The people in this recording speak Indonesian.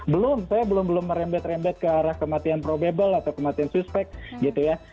belum saya belum belum merembet rembet ke arah kematian probable atau kematian suspek gitu ya